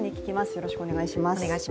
よろしくお願いします。